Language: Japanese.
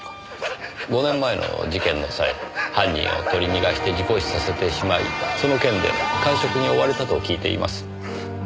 ５年前の事件の際犯人を取り逃がして事故死させてしまいその件で閑職に追われたと聞いています。